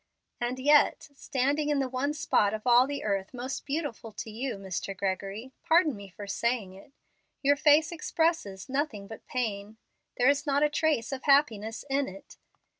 And yet, standing in the one spot of all the earth most beautiful to you, Mr. Gregory, pardon me for saying it, your face expresses nothing but pain. There is not a trace of happiness in it.